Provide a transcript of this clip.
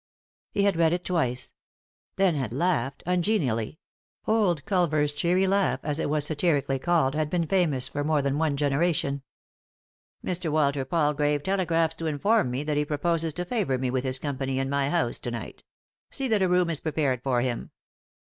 He had read it twice ; then had laughed, ungenially— old Culver's " cheery " laugh, as it was satirically called, had been famous for more than one generation. " Mr. Walter Palgrave telegraphs to inform me that he proposes to favour me with his company in my house to night. See that a room is prepared for him.